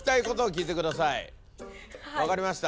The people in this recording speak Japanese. わかりました？